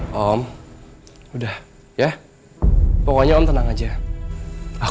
kamu sudah pembawa anak yang baik